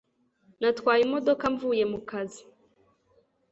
Natwaye imodoka mvuye mu kazi